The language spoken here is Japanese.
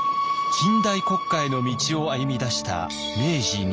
近代国家への道を歩みだした明治日本。